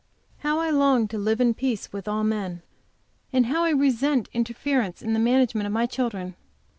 How I long to live in peace with all men, and how I resent interference in the management of my children!